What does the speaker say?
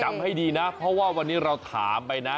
ให้ดีนะเพราะว่าวันนี้เราถามไปนะ